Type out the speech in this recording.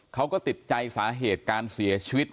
เขาก็ติดใจสาเหตุการเสียชีวิต